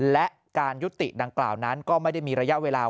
และการยุติดังกล่าวนั้นก็ไม่ได้มีระยะเวลา